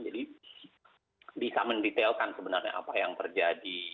jadi bisa mendetailkan sebenarnya apa yang terjadi